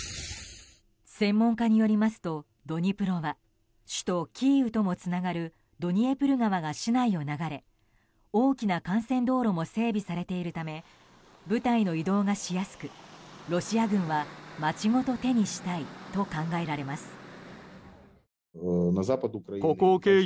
専門家によりますと、ドニプロは首都キーウともつながるドニエプル川が市内を流れ、大きな幹線道路も整備されているため部隊の移動がしやすくロシア軍は、街ごと手にしたいと考えられます。